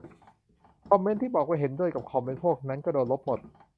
คอมเมนต์ที่บอกว่าเห็นด้วยกับคอนเมนต์พวกนั้น ก็โดนลบหมด